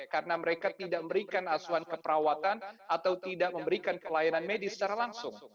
karena mereka tidak memberikan asuhan keperawatan atau tidak memberikan kelayanan medis secara langsung